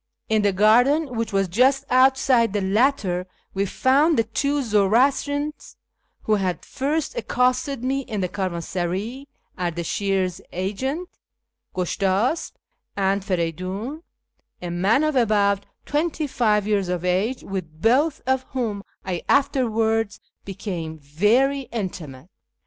In the garden, which was just outside the latter, we found the two Zoroastrians who had first accosted me in the caravansaray, Ardashir's agent, Gushtasp, and Feridun, a man of about twenty five years of age, with both of whom I afterwards became very intimate.